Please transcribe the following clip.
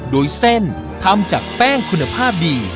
โดยเส้นทำจากแป้งคุณภาพดี